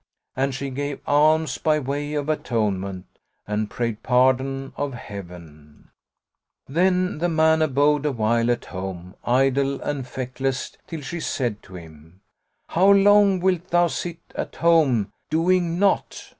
And she gave alms by way of atonement and prayed pardon of Heaven.[FN#119] Then the man abode awhile at home, idle and feckless, till she said to him, "How long wilt thou sit at home doing naught?